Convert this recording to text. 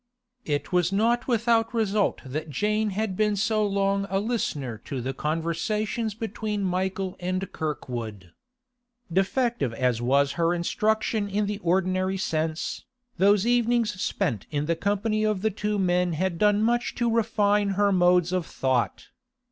It was not without result that Jane had been so long a listener to the conversations between Michael and Kirkwood. Defective as was her instruction in the ordinary sense, those evenings spent in the company of the two men had done much to refine her modes of thought.